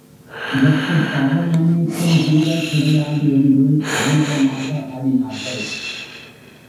இதற்குப் பாவமன்னிப்பும் கூட கிடையாது என்று ஆணவமாக ஆடினார்கள்!